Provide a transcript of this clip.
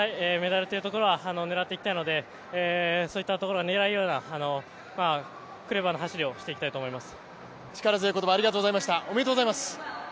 表彰台、メダルというところは狙っていきたいのでそういうところが狙えるようなクレバーな走りをしていきたいと思います。